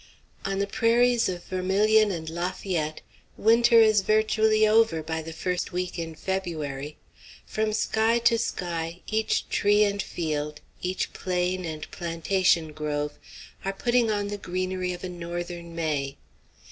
On the prairies of Vermilion and Lafayette, winter is virtually over by the first week in February. From sky to sky, each tree and field, each plain and plantation grove, are putting on the greenery of a Northern May.